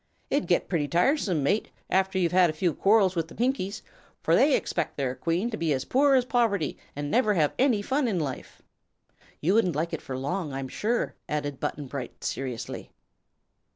"It'd get pretty tiresome, mate, after you'd had a few quarrels with the Pinkies, for they expec' their Queen to be as poor as poverty an' never have any fun in life." "You wouldn't like it for long, I'm sure," added Button Bright, seriously.